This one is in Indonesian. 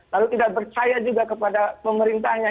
lalu tidak percaya juga kepada pemerintahnya